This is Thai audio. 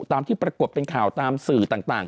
ตามที่ปรากฏเป็นข่าวตามสื่อต่าง